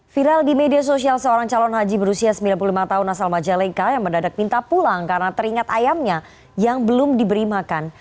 viral di media sosial seorang calon haji berusia sembilan puluh lima tahun asal majalengka yang mendadak minta pulang karena teringat ayamnya yang belum diberi makan